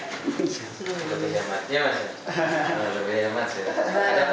lebih ya mas ya